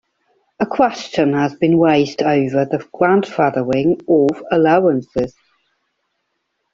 A question has been raised over the grandfathering of allowances.